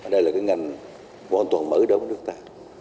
đây là cái ngành võn toàn mới đó của nước ta